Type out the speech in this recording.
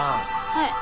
はい。